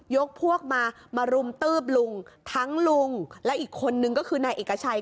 พวกมามารุมตืบลุงทั้งลุงและอีกคนนึงก็คือนายเอกชัย